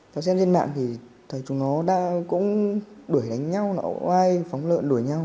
theo xem trên mạng thì thầy chúng nó cũng đuổi đánh nhau oai phóng lợn đuổi nhau